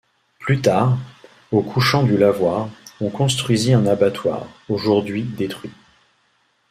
Plus tard, au couchant du lavoir, on construisit un abattoir, aujourd'hui détruit.